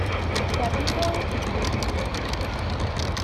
Its capital is Bozoum.